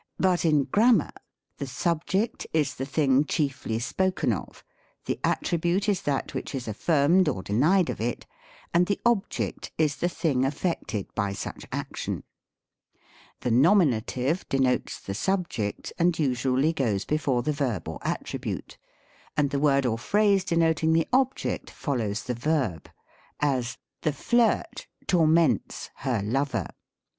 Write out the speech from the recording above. But in Gram mar — The subject is the thing chiefly spoken of; the attri bute is that which is affirmed or denied of it ; and the object is the thing affected by such action. j SYNTAX. 75 The nominative denotes the subject, and usually goes before the verb or attribute ; and the word or phrase, denoting the object, follows the verb ; as, " The flirt torments her lover."